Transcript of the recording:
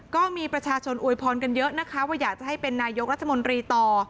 ก็มีประชาชนอวยพรกันเยอะนะคะว่าอยากจะให้เป็นนายกรัฐมนตรีต่อ